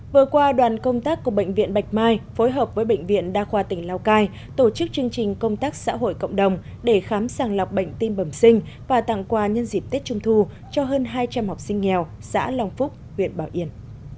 vừa qua đoàn công tác của bệnh viện bạch mai phối hợp với bệnh viện đa khoa tỉnh lào cai tổ chức chương trình công tác xã hội cộng đồng để khám sàng lọc bệnh tim bẩm sinh và tặng quà nhân dịp tết trung thu cho hơn hai trăm linh học sinh nghèo xã long phúc huyện bảo yên